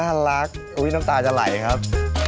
น่ารักอุ๊ยน้ำตาจะไหลครับ